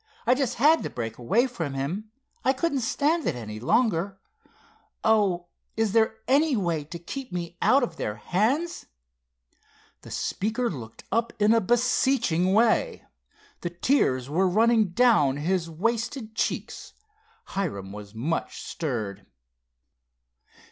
I just had to break away from him. I couldn't stand it any longer. Oh, is there any way to keep me out of their hands?" The speaker looked up in a beseeching way. The tears were running down his wasted cheeks. Hiram was much stirred.